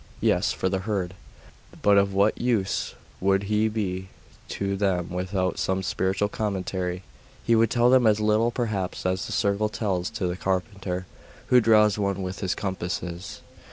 'Yes, for the herd.... But of what use would he be to them without some spiritual commentary?' 'He would tell them as little, perhaps, as the circle tells to the carpenter who draws one with his compasses.